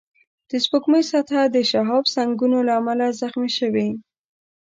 د سپوږمۍ سطحه د شهابسنگونو له امله زخمي شوې